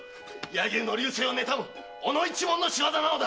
柳生の隆盛を妬む小野一門の仕業だ！